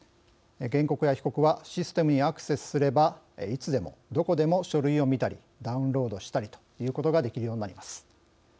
原告や被告はシステムにアクセスすればいつでも、どこでも書類を見たりダウンロードしたりということができるようになります。